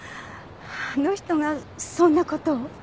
あの人がそんな事を？